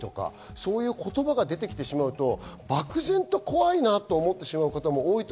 そういう言葉が出てきてしまうと、漠然と怖いなと思ってしまう方も多いと。